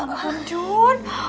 ya ampun jun